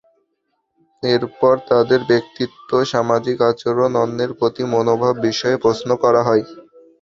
এরপর তাদের ব্যক্তিত্ব, সামাজিক আচরণ, অন্যের প্রতি মনোভাব বিষয়ে প্রশ্ন করা হয়।